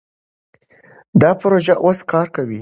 دا پروژه اوس کار کوي.